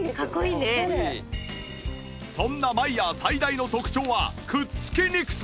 そんなマイヤー最大の特徴はくっつきにくさ